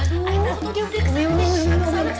aduh aci ke sana ke sana